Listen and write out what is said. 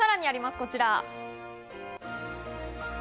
こちら。